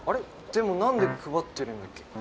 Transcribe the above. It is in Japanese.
でもなんで配ってるんだっけ？